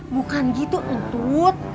bukan gitu entut